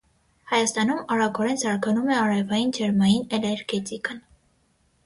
Հայաստանում արագորեն զարգանում է արևային ջերմային էներգետիկան։